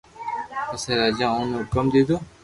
پسي راجا اوني ھڪم ديدو